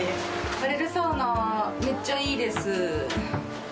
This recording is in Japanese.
バレルサウナ、めっちゃいいです。